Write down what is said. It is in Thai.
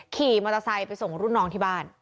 ขี่มอเตอร์ไซค์ไปส่งรุ่นน้องที่บ้าน